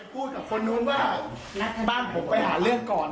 พูดกับคนนู้นว่าบ้านผมไปหาเรื่องก่อน